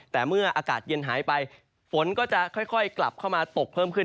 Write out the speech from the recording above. แต่เมื่ออากาศเย็นหายไปฝนก็จะค่อยกลับเข้ามาตกเพิ่มขึ้น